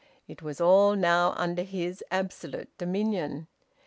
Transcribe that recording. It was all now under his absolute dominion.